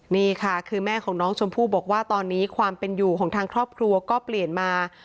นี่ค่ะคือแม่ของน้องชมพู่บอกว่าตอนนี้ความเป็นอยู่ของทางครอบครัวก็เปลี่ยนมา